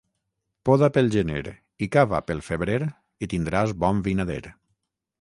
Poda pel gener i cava pel febrer i tindràs bon vinader.